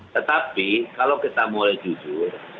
tetapi kalau kita mulai jujur